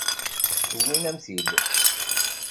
Wwin-am-t-id.